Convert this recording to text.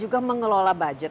untuk mengelola budget